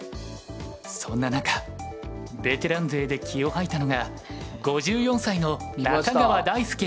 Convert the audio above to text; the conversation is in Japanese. そんな中ベテラン勢で気を吐いたのが５４歳の中川大輔八段。